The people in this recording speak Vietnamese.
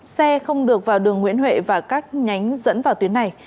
xe không được vào đường nguyễn huệ và các nhánh dẫn vào tuyến này